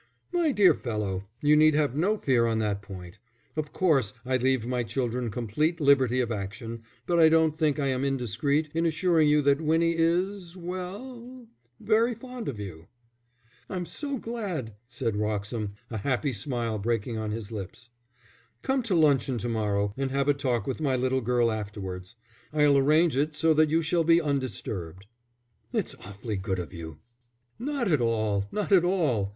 "My dear fellow, you need have no fear on that point. Of course, I leave my children complete liberty of action, but I don't think I am indiscreet in assuring you that Winnie is well, very fond of you." "I'm so glad," said Wroxham, a happy smile breaking on his lips. "Come to luncheon to morrow and have a talk with my little girl afterwards. I'll arrange it so that you shall be undisturbed." "It's awfully good of you." "Not at all! Not at all!